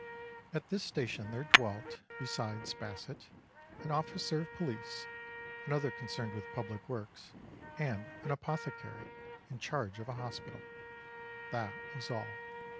At this station there dwelt, besides Basset, an officer of police, another concerned with public works, and an apothecary in charge of a hospital. That was all.